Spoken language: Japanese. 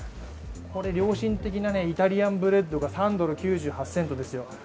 これ良心的なイタリアンブレッドが３ドル９８セントですよ。